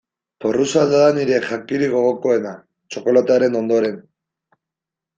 Porrusalda da nire jakirik gogokoena, txokolatearen ondoren.